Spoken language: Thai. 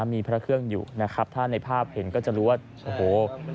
มีพระเครื่องอยู่ถ้าในภาพเห็นก็จะรู้ว่า